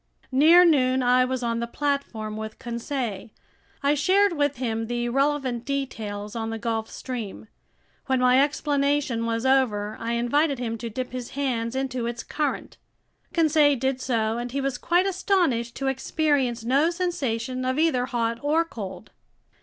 Near noon I was on the platform with Conseil. I shared with him the relevant details on the Gulf Stream. When my explanation was over, I invited him to dip his hands into its current. Conseil did so, and he was quite astonished to experience no sensation of either hot or cold.